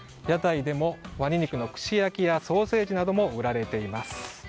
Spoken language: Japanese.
屋台でも、ワニ肉の串焼きやソーセージなども売られています。